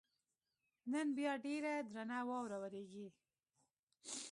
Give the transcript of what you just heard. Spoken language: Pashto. نن بیا ډېره درنه واوره ورېږي.